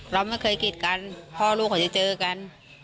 เราไม่เคยกิดกันพ่อลูกเขาจะเจอกัน